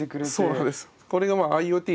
そうなんです。